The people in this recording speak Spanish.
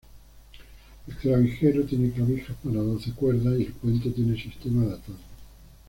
El clavijero tiene clavijas para doce cuerdas y el puente tiene sistema de atado.